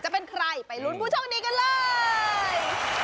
จะเป็นใครไปรู้ในช่วงนี้กันเลย